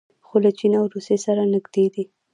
خو له چین او روسیې سره نږدې دي.